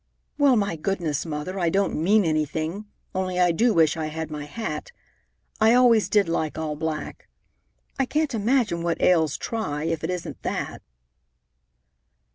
"Well, my goodness, Mother, I don't mean anything, only I do wish I had my hat. I always did like all black. I can't imagine what ails Try, if it isn't that."